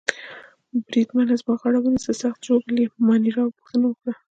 بریدمنه زما غاړه ونیسه، سخت ژوبل يې؟ مانیرا پوښتنه وکړه.